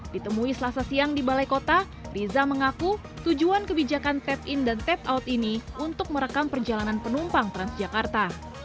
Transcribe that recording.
ditemui selasa siang di balai kota riza mengaku tujuan kebijakan tap in dan tap out ini untuk merekam perjalanan penumpang transjakarta